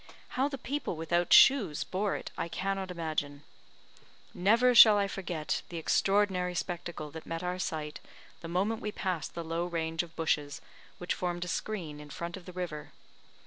How the people without shoes bore it, I cannot imagine. Never shall I forget the extraordinary spectacle that met our sight the moment we passed the low range of bushes which formed a screen in front of the river.